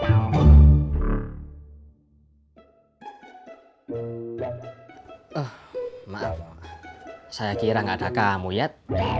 oh maaf saya kira nggak ada kamu ya